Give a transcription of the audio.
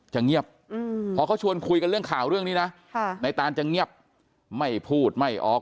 เงียบพอเขาชวนคุยกันเรื่องข่าวเรื่องนี้นะในตานจะเงียบไม่พูดไม่ออก